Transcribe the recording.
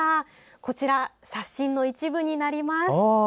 こちら、写真の一部になります。